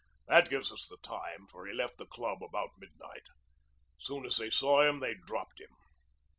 That gives us the time, for he left the club about midnight. Soon as they saw him they dropped him.